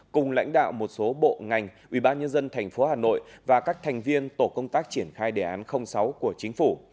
cùng lãnh đạo một số bộ ngành ubnd tp hà nội và các thành viên tổ công tác triển khai đề án sáu của chính phủ